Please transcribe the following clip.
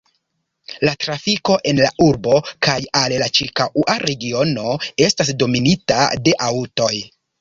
La trafiko en la urbo kaj al la ĉirkaŭa regiono estas dominita de aŭtoj.